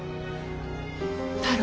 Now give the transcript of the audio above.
太郎。